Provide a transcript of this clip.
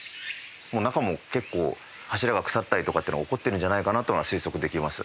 中も結構柱が腐ったりとかっていうのは起こってるんじゃないかなとは推測できます。